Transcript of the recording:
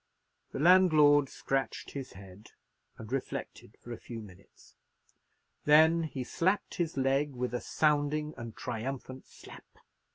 The landlord scratched his head, and reflected for a few minutes. Then he slapped his leg with a sounding and triumphant slap.